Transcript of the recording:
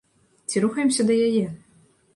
Ці рухаемся да яе?